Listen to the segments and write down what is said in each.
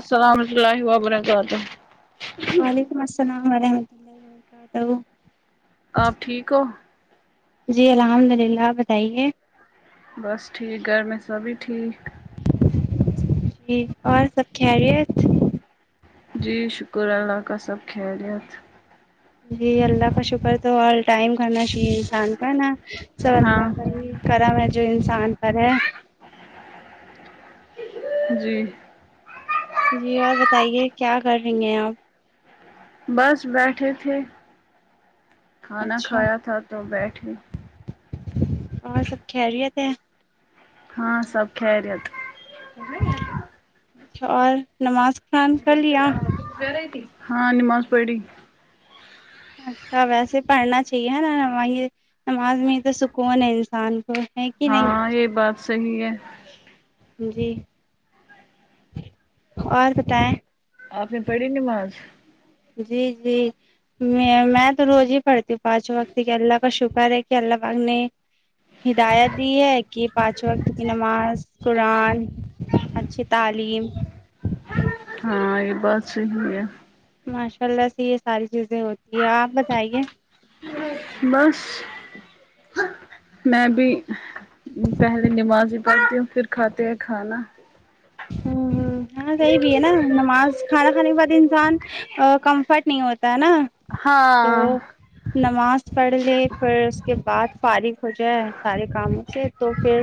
السلامحۃ اللہ وبرکاتہ وعلیکم السلام ورحمتہ اللہ وبرکاتہ آپ ٹھیک ہو جی الحمد اللہ اپ بتائیے بس ٹھیک گھر میں سبھی ٹھیک جی اور سب خریت جی شکر اللہ کا سب خیریت جی اللہ کا شکر تو آل ٹائم کانا انسان کا نا سب ہاں اللہ کا ہی کرم ہے جو انسان پر ہے جی جی اور بتائیے کیا کر رہی ہیں آپ بس بیٹھے تھے کھانا اچھا کھایا تھا تو بیٹھے اور سب خریت ہے ہاں سب خیریت اچھا اور نماز قرآن کر لیا ہاں نماز پڑھی اچھا ویسے پڑھنا چاہیے نااز نماز میں تو سکون ہے انسان کو ہے کہ نہیں ہاں یہ بات صحی ہے جی اور بتائیں آپ نے پڑی نماز جی جی میں میں تو روز ہی پڑھتی ہوں پانچوں وقت کہ اللہ کا شکر ہے کہ اللہ پاک نے ہدایت دی ہے کہ پانچ وقت کی نماز قرآن اچھی تعلیم ہاں یہ بات صحی ہے ماشاء اللہ سے یہ ساری چیزیں ہوتی ہے آپ بتائیے بس میں بھی پہلے نماز ہی پڑھتی ہوں پھر کھاتے ہیں کھانا ہ ہاں ہاں صحی بھی ہے نا نماز کھانا کھانے کے بعد انسان کمفرٹ نہیں ہوتا ہے نا تو ہاں نماز پڑھ لے پھر اس کے بعد فارغ ہو جائے سارے کاموں سے تو پھر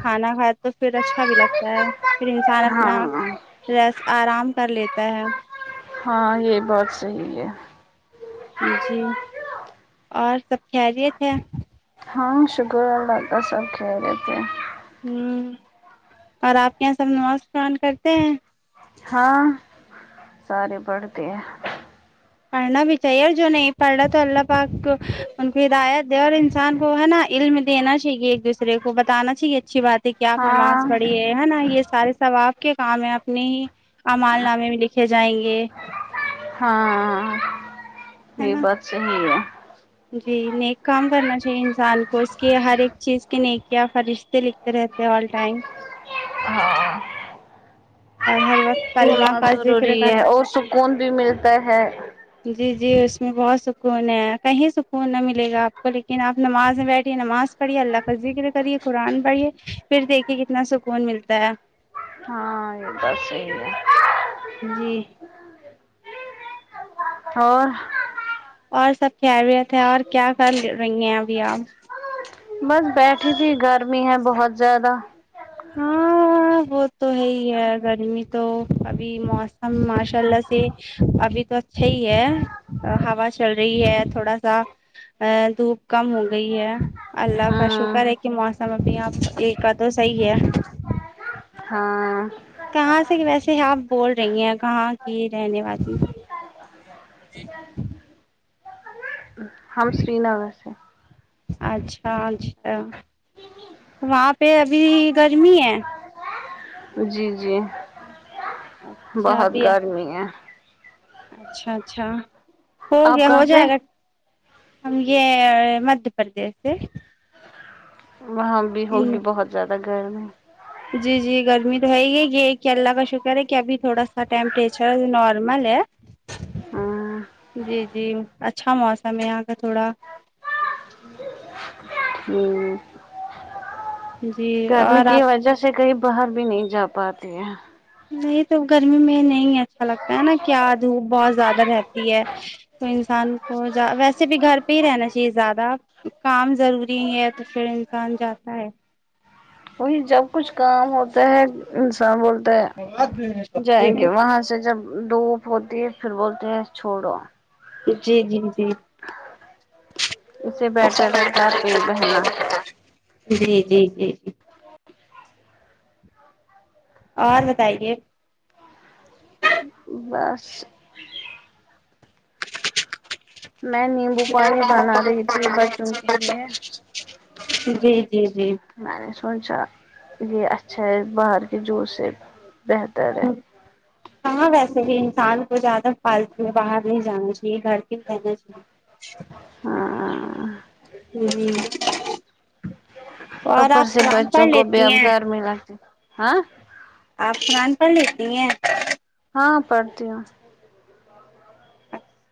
کھانا کھائے تو پھر اچھا بھی لگ تا ہے پھر انسان اپنا ہاں ریس آرام کر لیتا ہے ہاں یہ بہت صحیح ہے جی اور سب خیریت ہے ہاں شکر اللہ سب خیریت ہیں ہوں اور آپ کے یہاں سب نماز فرن کرتے ہیں ہاں سارے بڑھتے ہیں پڑھنا بھی چاہیے ی جو نہیں پڑھ رہا تو اللہ پاک ان کو ہدایت دے اور انسان کو ہے نا علم دینا چاہیے ایک دوسرے کو بتانا چاہیے اچھی بات کیا آپ نماز ہاں پڑھی ہے ہے نا یہ سارے سب آپ کے کام ہے اپنے ہی امال نامے میں لکھے جائیں گے ہاںاں ہے یہ نا بات صحی ہے جی نیک کام کرنا چاہیے انسان کو اس کے ہر ایک چیز کے نیک یا فرشتے لکھ ریتے وال ٹائم ہاں اور ہر وقت کلمہ نماز کا ذکر ضروری ہے کرنا اور چاہیے سکون بھی ملتا ہے جی جی اس میں بہت سکون ہے کہیں سکون نہ ملے گا آپ کو لیکن آپ نماز میں بیٹھی نماز پڑھیے اللہ کا ذکر کرے قرآن پڑھیے پھر دیکھیے کتنا سکون ملتا ہے ہاں بسے جی اور اور سب خیریت ہے اور کیا کر رہی ہیں ابھی آپ بس بیٹھی تھی گرمی ہے بہت زیادہ ہاں ہاں وہ تو ہے ہی ہے گرمی تو ابھی موسم ماشاءاللہ سے ابھی تو اچھا ہی ہے ہوا چل رہی ہے تھوڑا سا ا دھوپ کم ہو گئی ہے اللہ کا ہاں شکر ہے کہ موسم ابھی یہاں ایک کا تو صحیح ہے ہاں کہاں سے ویسے آپ بول رہی ہیں کہاں کی رہنے والی ہم سرینگر سے اچھا اچھا وہاں پہ ابھی گرمی ہے جی جی اچھا بہت ابھی گرمی ہے اچھا اچھا ہو آپ گیا ہو کہاں سے جائے گا ہم یہ مدھیہ پردیش سے وہاں بھی ہوگی بہت زیادہ گرمی جی جی گرمی تو ہے ہی یہ کہ اللہ کا شکر ہے کہ ابھی تھوڑا سا ٹمپریچر نارمل ہے ہاں جی جی اچھا موسم ہے یہاں کا تھوڑا ہمم جی گرمی اور کی آپ وجہ سے کہیں باہر بھی نہیں جا پاتے ہیں نہیں تو گرمی میں نہیں اچھا لگتا ہے نا کیا دھوپ بہت زیادہ رہتی ہے تو انسان کو ویسے بھی گھر پہ ہی رہنا چاہیے زیادہ کام ضروری ہے تو پھر انسان جاتا ہے وہی جب کچھ کام ہوتا ہے انسان بولتے ہیں جائیں گے وہاں سے جب دھوپ ہوتی ہے پھر بولتے ہیں چوڑو جی جی جی اس سے بیٹر ہے گھر پہ ہی بہنا [unintelligible] جی جی جی جی اور بتائیے بس میں نیمبو پانی بنا رہی تھی بچوں کے لیے جی جی جی میں نے سوچا یہ اچھا ہے باہر کے جوس سے بہتر ہے ہاں ویسے ہی انسان کو زیادہ فالتو میں باہر نہیں جانا چاہیے گھر پے ہی رہنا چاہیے ہاں جی اور اوپر آپ سے قرآن پڑھ بچوں کو بھی لیتی اب ہیں گھر ملاتے ہاں آپ قرآن پڑھلیتی ہیں ہاں پڑتی ہوں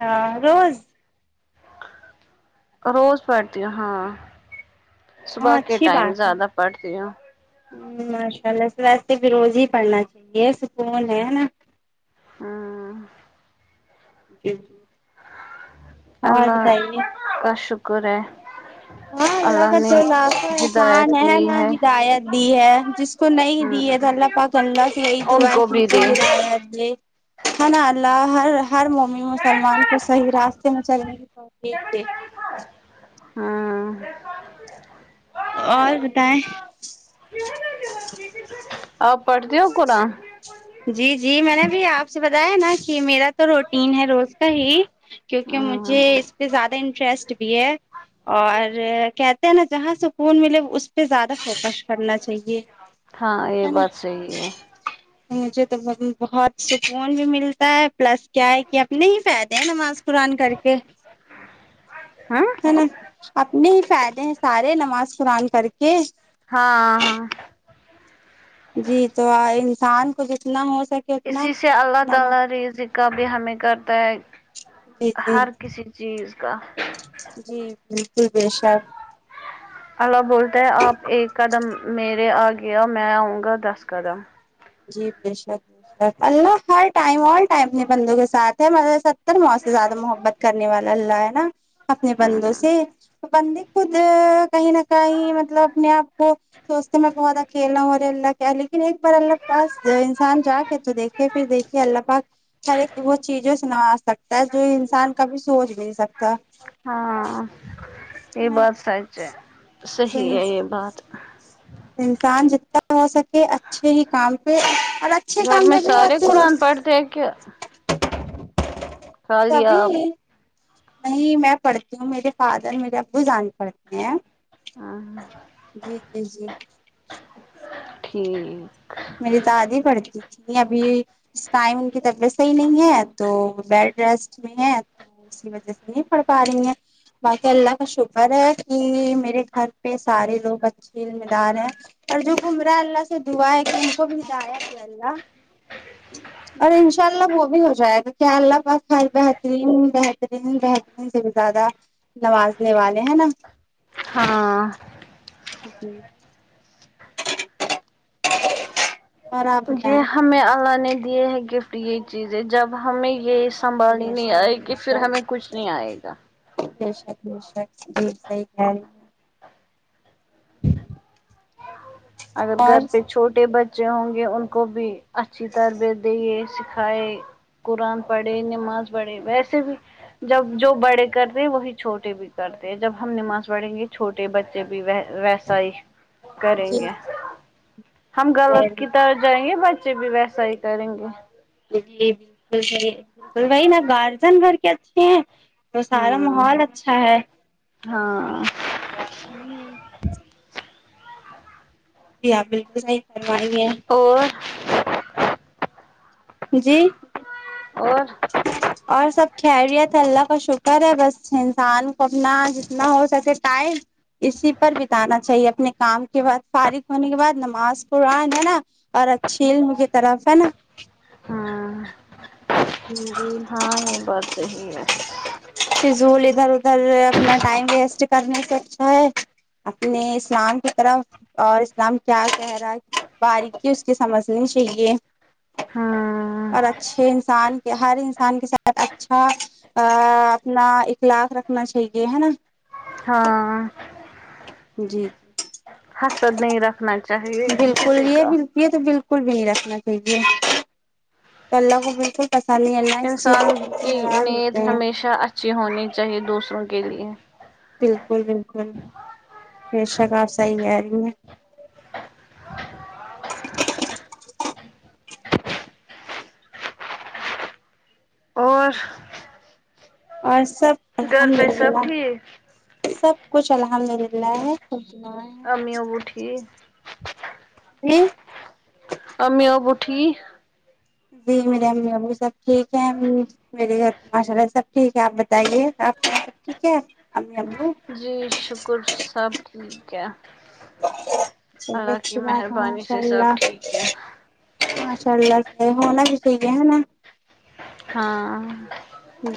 ہاں روز روز پڑھتی ہوں ہاں صبح ہاں کے ٹائم زیادہ پڑھتی ہوں ماشاءاللہ ویسے بھی روز ہی پڑھنا چاہیے سکون ہے نا ہاں جی جی اور اللہ بتائیے کا شکر ہے ہاں اللہ نے ہدایت کی ہے ہدایت دی ہے جس کو نہیں دی ہے ہوں تو اللہ باکی اللہ سے یہی ان دعا ہے کو کے بھی مجھے دے ہدایت دے ہنا اللہ ہر ہر مومن مسلمان کو صحیح راستے میں چلنے کی توفیق دے ہاں اور بتائیں آپ پڑھتی ہو قرآن جی جی میں نے بھی آپ سے بتایا ہے نا کہ میرا تو روٹین ہے روز کا ہی کیونکہ ہوں مجھے اس پہ زیادہ انٹرسٹ بھی ہے اور کہتے ہیں نا جہاں سکون ملے اس پہ زیادہ فوکس کرنا چاہیے ہاں یہ ہے نا بات صحی ہے مجھے تو بہت سکون بھی ملتا ہے پلس کیا ہے کہ اپنے ہی فائدے ہیں نماز قران کر کے ہاں ہے نا اپنے ہی فائدے ہیں سارے نماز قرآان کر کے ہاں ہاں جی تو انسان کو جتنا ہو سکے اتنا اسی سے اللہ نمو تعالی رض کا بھی ہمیں کرتا ہے جی جی ہر کسی چیز کا جی بالکل بے شک اللہ بولتا ہے آپ ایک قدم میرے آ گیا میں آؤں گا دس قدم جی بے شر بے شکر اللہ ہر ٹائم ٹائم اپنے بندوں کے ساتھ ہے م س ار موت سے زیادہ محبت کرنے والا اللہ ہے نا اپنے بندوں ہوں سے بندے خود کہیں نہ کہیں مطلب اپنے آپ کو سوچتے میں بہت اکیلا ہوں اورے اللہ کیا لیکن ایک بار اللہ پاس انسان جا کے تو دیکھے پھر دیکھیے اللہ پاک ہر ایک وہ چیزیں سنو سکتا ہے جو انسان کا بھی سوچ بھی نہیں سکتا ہاں ہے یہ بات سچ ہے صحیح نا ہے یہ بات انسان جتنا ہو سکے اچھے ہی کام پہ اور اچھے گھر کام میں جب بھی سارے ہوتے ہیں قرآن پڑھتے ہیں کیا سبھی خالیا نہیں میں پڑھتی ہوں میرے فادر میرے ابو جانے پڑھتے ہیں ہاں جی جی جی ھ میری دادی پڑھتی تھی ابھی اس ٹائم ان کی طبیعت صحیح نہیں ہے تو بیڈ ریسٹ میں ہے اس کی وجہ سے نہیں پڑ پا رہی ہیں باقی اللہ کا شکر ہے کہ میرے گھر پہ سارے لوگ اچھے ذمہ دار ہیں اور جو کمرہ اللہ سے دوا ہے تھ ان کو بھی دایا تھ اللہ اور ان شاء اللہ وہ بھی ہو جائے گ کیا اللہ پاس ہر بہترین بہترین بہترین سے بھی زیادہ نوازنے والے ہیں نا ہاں جی ناقابل فہم یہ ہمیں اللہ نے دیے ہے گفٹ یہ چیزیں جب ہمیں یہ اس سنبالنی بے نہیں شک آئے گی پھر ہمیں کچھ نہیں آئے گا نشک نشک ج صحیح خل اگر گھر اور پہ چھوٹے بچے ہوں گے ان کو بھی اچھی تربیت دیے سکھائے قرآن پڑھے نماز پڑھے ویسے بھی جب جو بڑے کرتے ہیں وہی چھوٹے بھی کرتے ہیں جب ہم نماز پڑھیں گے چھوٹے بچے بھی و ص ہی کریں جی گے ہم غلط کی طرح جائیں گے بچے بھی ویسا ہی کریں گے جی بالکلی بالکل بھائی نا گارجن گھر کے اچھے ہیں تو سارا ہوں ماحول اچھا ہے ہاں ہوں جی آپ بالکل صحیح فرمائیے اور جی اور اور سب خیریت ہے اللہ کا شکر ہے بس انسان کو اپنا جتنا ہو سکے ٹائم اسی پر بتانا چاہیے اپنے کام کے بعد فارغ ہونے کے بعد نماز قران ہے نا اور اچھے علم کی طرف ہے نا ہاں جی جی ہاں بات صحیح ہے فضول ادھر ادھر اپنا ٹائم ویسٹ کرنے سے اچھا ہے اپنے اسلام کی طرف اور اسلام کیا کہہ رہا ہے باریکی اس کی سمجھنی چاہیے ہاں اور اچھے انسان کے ہر انسان کے ساتھ اچھا ا اپنا اخلاق رکھنا چاہیے ہے نا ہاں جی جی حسد نہیں رکھنا چاہیے بالکل کسی یہ کا بالکل یہ تو بالکل بھی نہیں رکھنا چاہیے تو اللہ کو بالکل پسند نہیں اللہ اس چیز انسان سے بالکل کی ناراض ہوتے نیت ہیں ہمیشہ اچھی ہونی چاہیے دوسروں کے لیے بالکل بالکل بے شک اپ صحیح کہہ رہی ہے اور اور سب گھر الحمد پہ سب ٹھیک اللہ سب کچھ الحمد اللہ ہے سنائیں امی اب اٹھی جی امی اب اٹھی جی میری امی امی سب ٹھیک ہے میرے گھر پہ ماشاء اللہ سب ٹھیک ہے اپ بتائیے اپ سب ٹھیک ہے امی ابو جی شکر سب ٹھیک ہے چلیے اللہ کی اچھی بات ہے مہربانی ماشاء سے سب اللہ ٹھیک ہے ماشاء اللہ سے ہونا بھی چاہیے ہے نا ہاں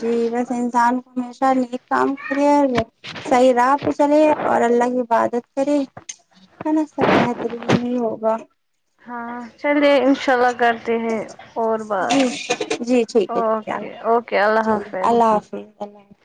جی بس انسان کو ہمیشہ نیک کام کرے اور صحیح راہ پہ چلے اور اللہ کی عبادت کرے ہے نا سب بہترین ہی ہوگا ہ چلیے انشاء اللہ کر تے ہیں اور جی بات جی ٹھیک ہے ٹھیک ہے اوکے اوکے اللہ جی حافظ [unintelligible]